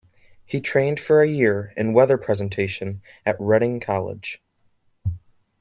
He trained for a year in weather presentation at Reading College.